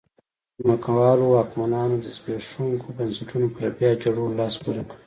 ځمکوالو واکمنانو د زبېښونکو بنسټونو پر بیا جوړولو لاس پورې کړ.